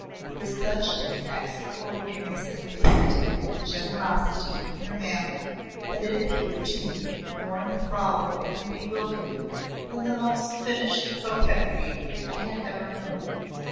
There was such an extraordinary simplicity and generosity in her manner that it appeared to me more enthralling and bewildering than the most finished coquetry I had ever known.